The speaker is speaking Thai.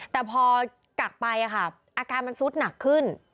แต่พอกักไปอาการมันซุดหนักขึ้น